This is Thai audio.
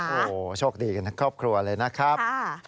โอ้โหโชคดีกันทั้งครอบครัวเลยนะครับ